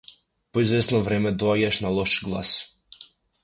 По извесно време доаѓаш на лош глас.